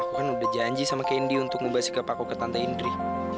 aku kan udah janji sama kendi untuk membawa sikap aku ke tante indri